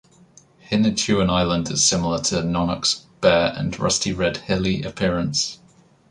Hinatuan Island is similar to Nonoc's bare and rusty-red hilly appearance.